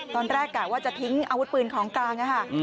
ตอนแรกกะว่าจะทิ้งอาวุธปืนของกลางนะคะ